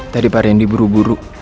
tadi pak randy buru buru